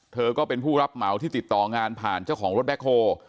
เธอก็เป็นผู้รับเหมาที่ติดต่องานผ่านเจ้าของรถแบ็คโฮล